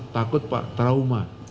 takut pak trauma